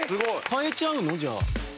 買えちゃうの？じゃあ。